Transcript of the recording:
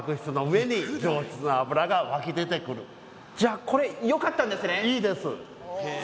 じゃあこれ良かったんですね？